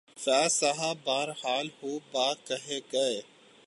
فیض صاحب بہرحال خوب بات کہہ گئے۔